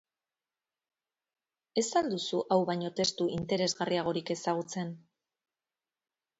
Ez al duzu hau baino testu interesgarriagorik ezagutzen?